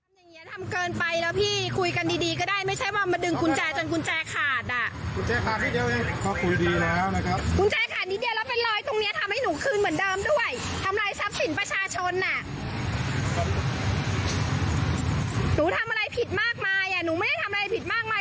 หนูทำอะไรผิดมากมายหนูไม่ได้ทำอะไรผิดมากมาย